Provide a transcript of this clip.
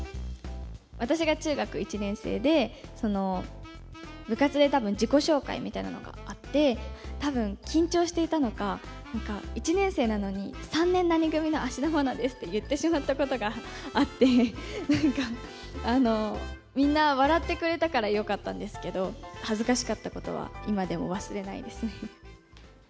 私が中学１年生で、部活でたぶん、自己紹介みたいなのがあって、たぶん緊張していたのか、なんか１年生なのに、３年何組の芦田愛菜です！って、言ってしまったことがあって、なんか、みんな笑ってくれたからよかったんですけど、恥ずかしかったことは今でも忘れないですね。